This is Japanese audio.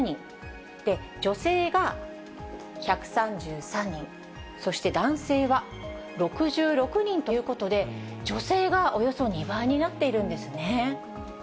女性が１３３人、そして男性は６６人ということで、女性がおよそ２倍になっているんですね。